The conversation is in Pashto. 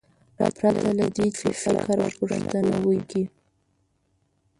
پرته له دې چې فکر او پوښتنه وکړي.